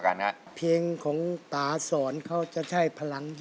ถ้าไม่มั่นใจนะฮะ